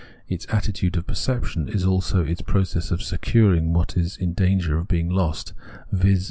its attitude of perception as also its process of securing wliat is in danger of being lost, viz.